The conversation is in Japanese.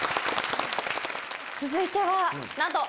続いてはなんと。